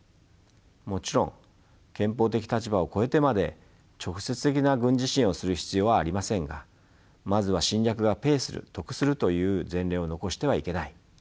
もちろん憲法的立場を超えてまで直接的な軍事支援をする必要はありませんがまずは侵略がペイする得するという前例を残してはいけない。